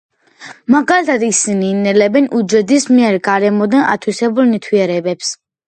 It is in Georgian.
მაგალითად ისინი ინელებენ უჯრედის მიერ გარემოდან ათვისებულ ნივთიერებებს.